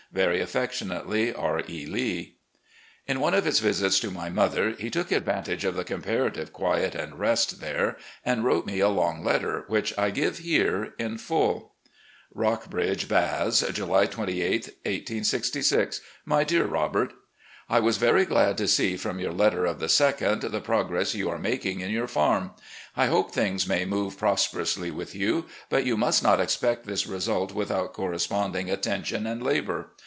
"Very affectionately, "R. E. Lee." On one of his visits to my mother, he took advantage of the comparative quiet and rest there and wrote me a long letter, which I give here in full: "Rockbridge Baths, July 28, 1866. " My Dear Robert: I was very glad to see from your let ter of the 2d the progress you are making in your farm. I hope things may move prosperously with you, but you must not expect this result without corresponding atten tion and labour.